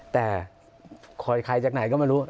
แต่คอยใครจากไหนก็ไม่รู้